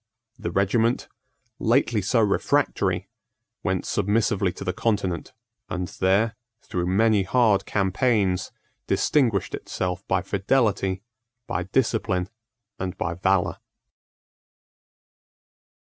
The regiment, lately so refractory, went submissively to the Continent, and there, through many hard campaigns, distinguished itself by fidelity, by discipline, and by valour.